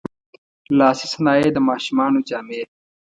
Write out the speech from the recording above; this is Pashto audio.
لاسي صنایع، د ماشومانو جامې.